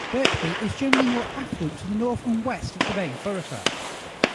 Birkby is generally more affluent to the north and west of the main thoroughfare.